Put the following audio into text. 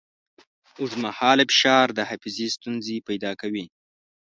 اوږدمهاله فشار د حافظې ستونزې پیدا کوي.